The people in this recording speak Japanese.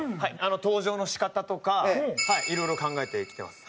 登場の仕方とかいろいろ考えてきてます。